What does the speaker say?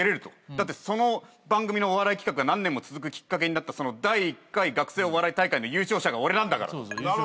だってその番組のお笑い企画が何年も続くきっかけになった第１回学生お笑い大会の優勝者が俺なんだから。